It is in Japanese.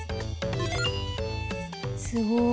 すごい。